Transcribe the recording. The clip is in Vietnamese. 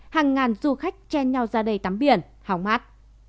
hàng ngàn du khách che nhau ra đây tắm biển hào mát